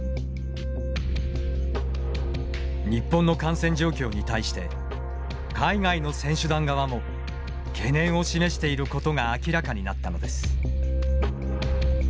日本の感染状況に対して海外の選手団側も懸念を示していることが明らかになったのです。